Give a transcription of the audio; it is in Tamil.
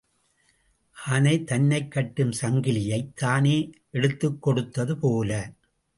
ஆனை தன்னைக் கட்டும் சங்கிலியைத் தானே எடுத்துக் கொடுத்தது போல.